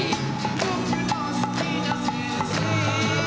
「ぼくの好きな先生」